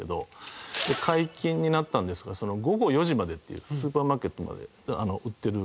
解禁になったんですが午後４時までっていうスーパーマーケット売ってる。